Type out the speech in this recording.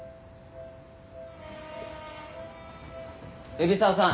海老沢さん